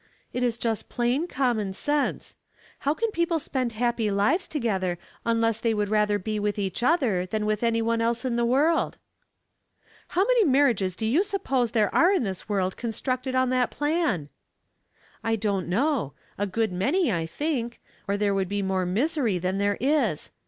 " It is just plain, common sense. How can people spend happy lives together unless they would rather be with each other than with any one else in the world ?"" How many marriages do you suppose there are in ihv^ world constructed on that plan ?" 148 Household Puzzles, " I don't know. A good manj^, I think ; or there would be more misery than there is.